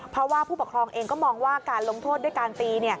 เพราะว่าผู้ปกครองเองก็มองว่าการลงโทษด้วยการตี